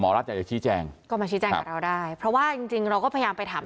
รัฐอยากจะชี้แจงก็มาชี้แจงกับเราได้เพราะว่าจริงจริงเราก็พยายามไปถาม